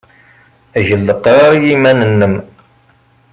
Eg leqrar i yiman-nnem.